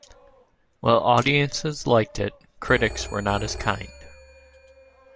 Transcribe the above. While audiences liked it, critics were not as kind.